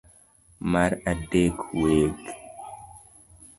Mar adek, weg